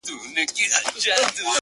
o هله تياره ده په تلوار راته خبري کوه،